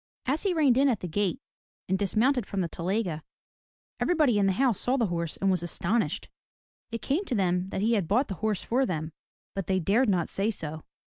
As he reined in at the gate, and dismounted from the telyega, everybody in the house saw the horse and was astonished. It came to them that he had bought the horse for them, but they dared not say so.